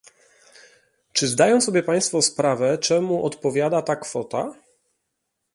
Czy zdają sobie państwo sprawę, czemu odpowiada ta kwota?